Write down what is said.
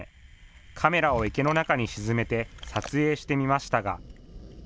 カメラを池の中に沈めて撮影してみましたが。